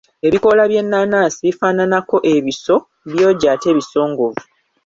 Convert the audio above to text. Ebikoola by’ennaanansi bifaananako ebiso, byogi ate bisongovu.